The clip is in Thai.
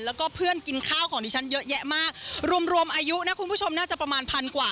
แล้วก็เพื่อนกินข้าวของดิฉันเยอะแยะมากรวมรวมอายุนะคุณผู้ชมน่าจะประมาณพันกว่า